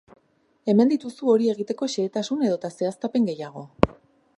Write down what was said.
Hemen dituzu hori egiteko xehetasun edota zehaztapen gehiago.